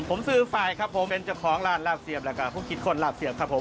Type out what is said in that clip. ผมซื้อไฟล์ครับผมเป็นเจ้าของร้านลาบเสียบแล้วก็ผู้คิดคนหลาบเสียบครับผม